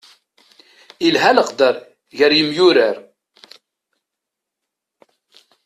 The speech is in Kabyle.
Ilha leqder gar yemyurar.